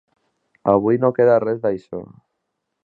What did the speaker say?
Avui no queda res d’això.